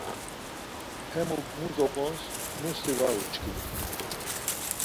Hemuk mu zop̌ons musti var uçkin.